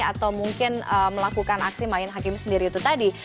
atau mungkin melakukan aksi main hakim sendiri itu tadi